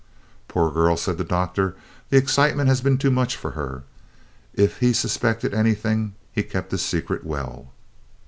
"Poor girl," said the Doctor, "the excitement has been too much for her." If he suspected anything he kept his secret well.